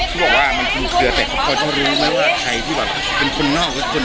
แกบอกว่ามันไม่ชัด